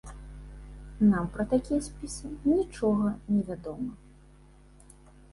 Нам пра такія спісы нічога невядома.